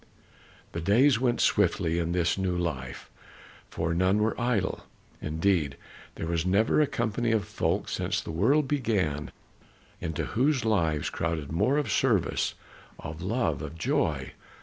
The days went swiftly in this new life, for none were idle. Indeed, there was never a company of folk since the world began into whose lives crowded more of service, of love, of joy.